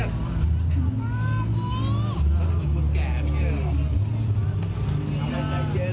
เค้าตบเค้าตบยาย